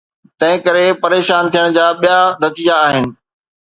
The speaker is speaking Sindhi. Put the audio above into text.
تنهنڪري پريشان ٿيڻ جا ٻيا نتيجا آهن.